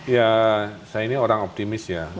ya saya ini orang optimis ya